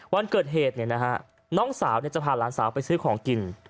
วันเกิดเหตุเนี้ยนะฮะน้องสาวเนี้ยจะพาหลานสาวไปซื้อของกิน